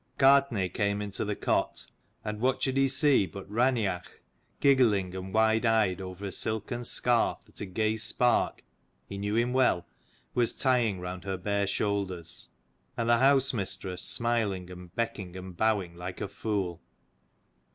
Gartnaidh came into the cot, ^ _and what should he see but Raineach, giggling and wide eyed over a silken scarf that a gay spark, he knew him well, was tying round her bare shoulders : and the house mistress smiling and becking and bowing like a fool.